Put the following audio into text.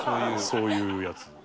そういうやつ？